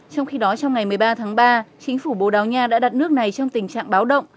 trong khi đó trong ngày một mươi ba tháng ba chính phủ bồ đào nha đã đặt nước này trong tình trạng báo động